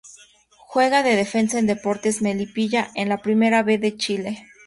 Juega de defensa en Deportes Melipilla de la Primera B de Chile.